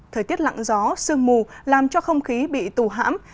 thời tiết lặng gió sương mù làm cho không khí bị tù hãm